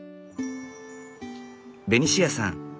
ベニシアさん